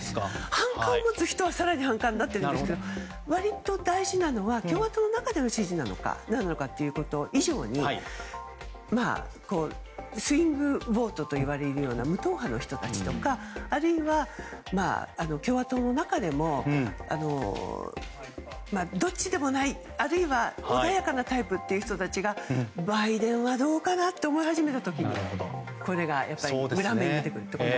反感を持つ人は更に反感を持っているんですが割と大事なのは共和党の中での支持になるのかということ以上に無党派の支持の人たちとかあるいは共和党の中でもどっちでもないあるいは、穏やかなタイプという人たちがバイデンはどうかなと思い始めた時にこれが裏目に出てくる。